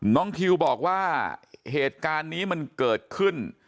ทิวบอกว่าเหตุการณ์นี้มันเกิดขึ้น